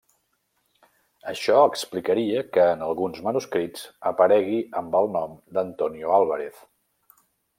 Això explicaria que, en alguns manuscrits, aparegui amb el nom d'Antonio Álvarez.